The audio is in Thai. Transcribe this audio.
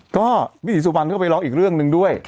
ก็พี่ศรีสุวรรณก็ไปร้องอีกเรื่องหนึ่งด้วย